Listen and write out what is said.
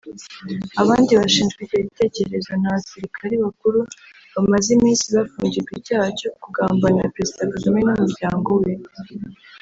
Abandi bashinjwa icyo gitekerezo ni Abasilikari bakuru bamaze iminsi bafungirwa icyaha cyo “ kugambanira Perezida Kagame n’umuryango weâ€